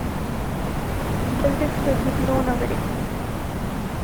Buildings will be blown away.